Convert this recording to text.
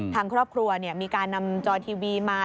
ทางครอบครัวมีการนำจอทีวีมา